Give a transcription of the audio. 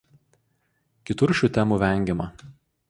Kitur šių temų vengiama.